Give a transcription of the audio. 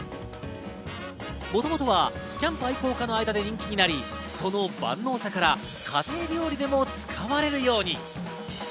もともとはキャンプ愛好家の間で人気になり、その万能さから家庭料理でも使われるように。